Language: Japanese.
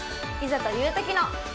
いざというときの！